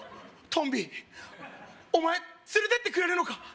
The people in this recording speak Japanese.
トンビお前連れてってくれるのか？